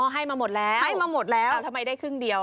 ให้มาหมดแล้วให้มาหมดแล้วทำไมได้ครึ่งเดียว